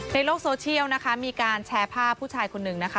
ในโลกโซเชียลนะคะมีการแชร์ภาพผู้ชายคนนึงนะคะ